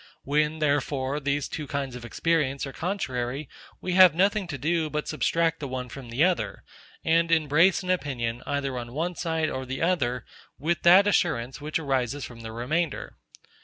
When, therefore, these two kinds of experience are contrary, we have nothing to do but substract the one from the other, and embrace an opinion, either on one side or the other, with that assurance which arises from the remainder.